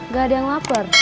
gak ada yang lapar